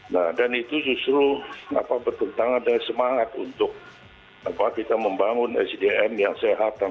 nah dan itu justru bertentangan dengan semangat untuk kita membangun sdm yang sehat